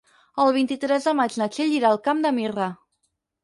El vint-i-tres de maig na Txell irà al Camp de Mirra.